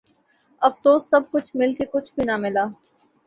افسوس سب کچھ مل کے کچھ بھی ناں ملا